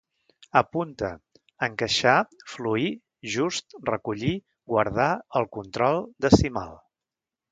Apunta: encaixar, fluir, just, recollir, guardar, el control, decimal